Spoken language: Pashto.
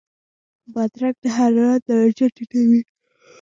بادرنګ د حرارت درجه ټیټوي.